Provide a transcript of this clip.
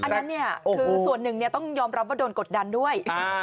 คือส่วนหนึ่งเนี่ยต้องยอมรับว่าโดนกดดันด้วย